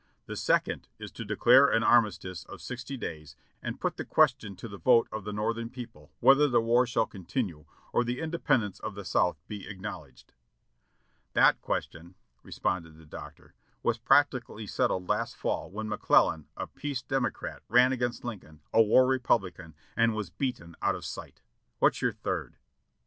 "The second is to declare an armistice of sixty days and put the question to the vote of the Northern people whether the war shall continue or the independence of the South be acknowledged." "That question," responded the Doctor, "was practically set tled last fall when McClellan, a Peace Democrat, ran against Lin coln, a War Republican, and was beaten out of sight. What's your third?"